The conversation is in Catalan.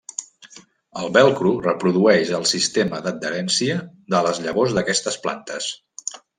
El velcro reprodueix el sistema d'adherència de les llavors d'aquestes plantes.